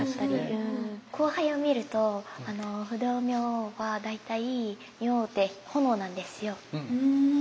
光背を見ると不動明王は大体明王って炎なんですよ。